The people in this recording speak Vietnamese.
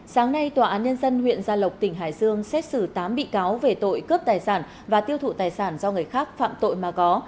sáng nay tòa án nhân dân huyện gia lộc tỉnh hải dương xét xử tám bị cáo về tội cướp tài sản và tiêu thụ tài sản do người khác phạm tội mà có